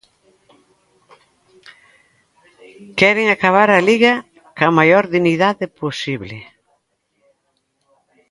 Quere acabar a Liga coa maior dignidade posible.